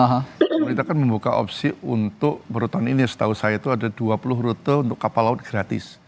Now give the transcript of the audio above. pemerintah kan membuka opsi untuk baru tahun ini setahu saya itu ada dua puluh rute untuk kapal laut gratis